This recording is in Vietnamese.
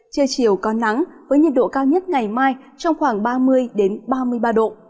trưa chiều có nắng với nhiệt độ cao nhất ngày mai trong khoảng ba mươi ba mươi ba độ